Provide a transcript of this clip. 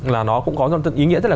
là nó cũng có ý nghĩa rất là